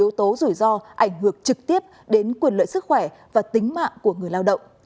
yếu tố rủi ro ảnh hưởng trực tiếp đến quyền lợi sức khỏe và tính mạng của người lao động